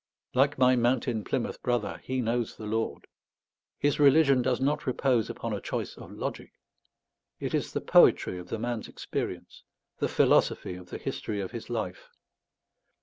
Like my mountain Plymouth Brother, he knows the Lord. His religion does not repose upon a choice of logic; it is the poetry of the man's experience, the philosophy of the history of his life.